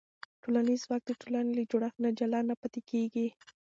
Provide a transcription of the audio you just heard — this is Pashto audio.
ټولنیز ځواک د ټولنې له جوړښت نه جلا نه پاتې کېږي.